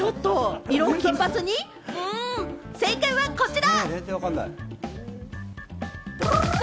うん、正解はこちら。